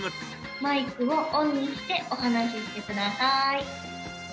マイクをオンにして、お話ししてください。